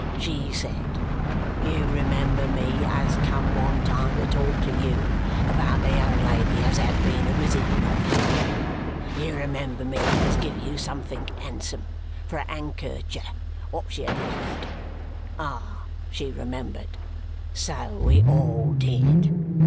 She said, 'You remember me as come one time to talk to you about the young lady as had been a wisiting of you? You remember me as give you somethink handsome for a handkercher wot she had left?' Ah, she remembered. So we all did.